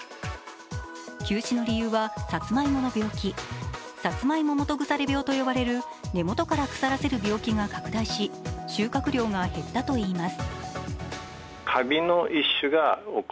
休止の理由はさつまいもの病気、サツマイモ基腐病と呼ばれる根元から腐らせる病気が拡大し収穫量が減ったといいます。